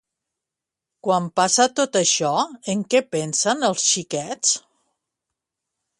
Quan passa tot això, en què pensen els xiquets?